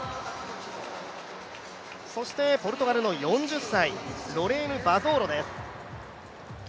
そしてポルトガルの４０歳、ロレーヌ・バゾーロです。